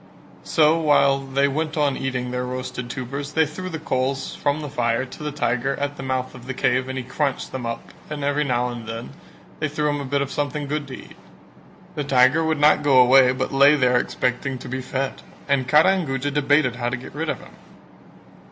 So while they went on eating the roasted tubers, they threw the coals from the fire to the tiger at the mouth of the cave and he crunched them up and every now and then they threw him a bit of something good to eat; the tiger would not go away but lay there expecting to be fed, and Kara and Guja debated how to get rid of him.